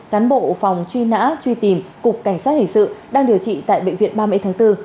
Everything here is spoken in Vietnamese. cán bộ phòng truy nã truy tìm cục cảnh sát hình sự đang điều trị tại bệnh viện ba mươi tháng bốn